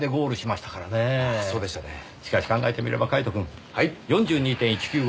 しかし考えてみればカイトくん。はい。４２．１９５